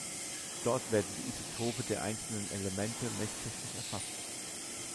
Dort werden die Isotope der einzelnen Elemente messtechnisch erfasst.